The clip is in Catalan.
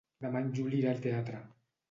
Demà en Juli irà al teatre.